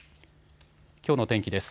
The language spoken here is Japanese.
きょうの天気です。